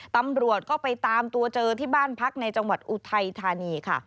ตำรวจก็ไปตามตัวเจอที่บ้านพักในจังหวัดอุทัยธานีค่ะ